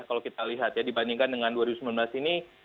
kalau kita lihat ya dibandingkan dengan dua ribu sembilan belas ini